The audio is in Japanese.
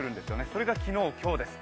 それが昨日、今日です。